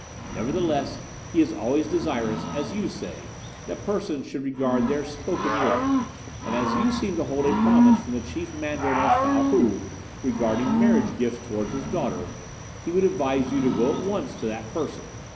Nevertheless, he is always desirous, as you say, that persons should regard their spoken word, and as you seem to hold a promise from the Chief Mandarin of Fow Hou regarding marriage gifts towards his daughter, he would advise you to go at once to that person.